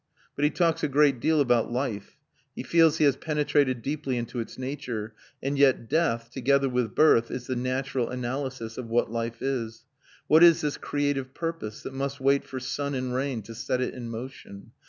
But he talks a great deal about life, he feels he has penetrated deeply into its nature; and yet death, together with birth, is the natural analysis of what life is. What is this creative purpose, that must wait for sun and rain to set it in motion?